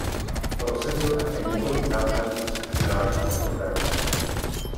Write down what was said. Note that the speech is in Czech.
Prosadil také několik základních sociálních reforem.